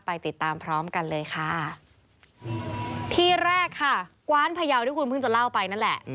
ไปติดตามพร้อมกันเลยค่ะที่แรกค่ะกว้านพยาวที่คุณเพิ่งจะเล่าไปนั่นแหละ